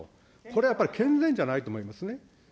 これはやっぱり健全じゃないと思いますね。